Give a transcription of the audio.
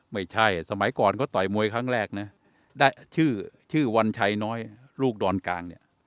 สมัยก่อนเขาต่อยมวยครั้งแรกนะได้ชื่อชื่อวันชัยน้อยลูกดอนกลางเนี่ย